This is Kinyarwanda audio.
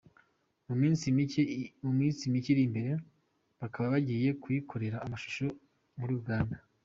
Mu minsi mike iri imbere bakaba bagiye kuyikorera amashusho muri Uganda.